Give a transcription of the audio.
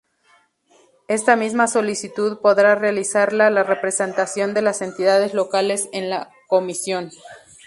Esta misma solicitud podrá realizarla la representación de las Entidades locales en la Comisión.